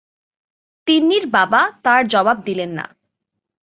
তিন্নির বাবা তার জবাব দিলেন না।